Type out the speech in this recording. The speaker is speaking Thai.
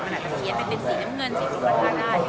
มันอาจจะเพียงเป็นสีน้ำเงินสีบุรัฐล่าน